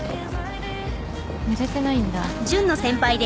寝れてないんだ。